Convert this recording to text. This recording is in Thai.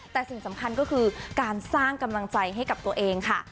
แต่สิ่งสำคัญก็คือการสร้างกำลังใจให้กับตัวเองค่ะ